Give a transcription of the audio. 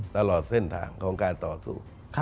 ตลอดเส้นทางของการต่อสู้